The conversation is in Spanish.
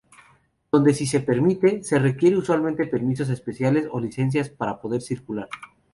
Donde sí se permite, se requiere usualmente permisos especiales o licencias para poder circular.